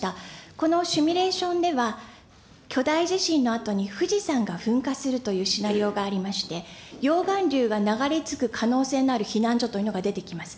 このシミュレーションでは、巨大地震のあとに富士山が噴火するというシナリオがありまして、溶岩流が流れ着く可能性のある避難所というのが出てきます。